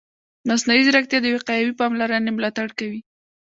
مصنوعي ځیرکتیا د وقایوي پاملرنې ملاتړ کوي.